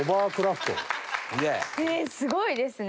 すごいですね！